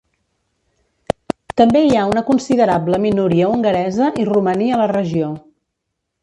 També hi ha una considerable minoria hongaresa i romaní a la regió.